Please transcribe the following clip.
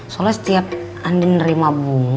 soalnya setiap andien ngerima bunga